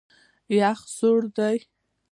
یخ سوړ دی.